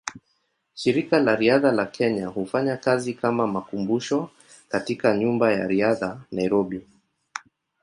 Shirika la Riadha la Kenya hufanya kazi kama makumbusho katika Nyumba ya Riadha, Nairobi.